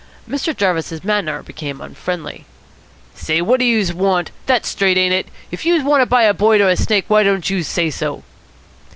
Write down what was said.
Mr. Jarvis's manner became unfriendly. "Say, what do youse want? That's straight ain't it? If youse want to buy a boid or a snake why don't youse say so?"